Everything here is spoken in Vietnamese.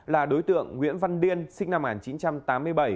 là đối tượng nguyễn văn điên sinh năm một nghìn chín trăm tám mươi bảy